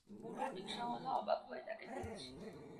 বুড়ো রিকশাওয়ালা অবাক হয়ে তাঁকে দেখছে।